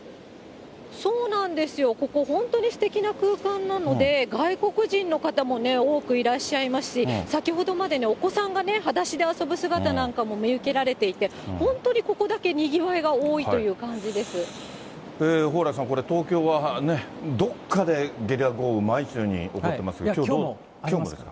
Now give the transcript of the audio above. そうなんですよ、ここ、本当にすてきな空間なので、外国人の方もね、多くいらっしゃいますし、先ほどまでお子さんがね、はだしで遊ぶ姿なんかも見受けられていて、本当にここだけにぎわ蓬莱さん、東京はこれ、どっかでゲリラ豪雨、毎日のように起こってますけど、きょうもですか。